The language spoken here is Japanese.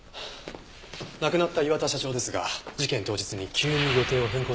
亡くなった磐田社長ですが事件当日に急に予定を変更したようなんです。